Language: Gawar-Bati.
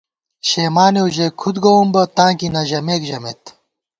شېمانېؤ ژَئی کھُد گووُم بہ ، تاں کی نہ ژَمېک ژَمېت